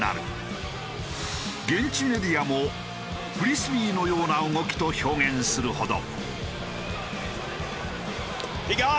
現地メディアも「フリスビーのような動き」と表現するほど。